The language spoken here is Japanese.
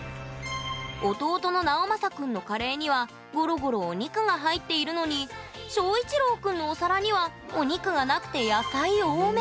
弟の直将くんのカレーにはゴロゴロお肉が入っているのに翔一郎くんのお皿にはお肉がなくて野菜多め！